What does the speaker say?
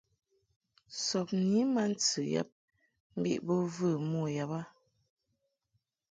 Sɔbni ma ntɨ yab mbiʼ bo və mo yab a.